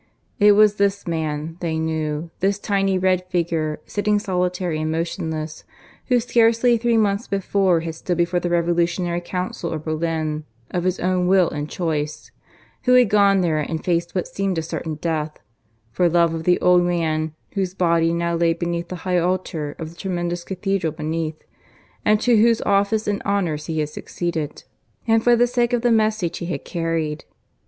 It was this man, they knew, this tiny red figure, sitting solitary and motionless, who scarcely three months before had stood before the revolutionary Council of Berlin, of his own will and choice who had gone there and faced what seemed a certain death, for love of the old man whose body now lay beneath the high altar of the tremendous cathedral beneath, and to whose office and honours he had succeeded, and for the sake of the message he had carried.